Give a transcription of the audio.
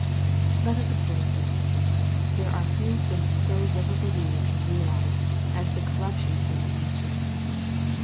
• Let us observe this. There are few things so little beUeved and realized as the corruption of human nature.